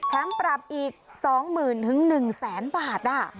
แถมปรับอีก๒๑๐๐๐บาท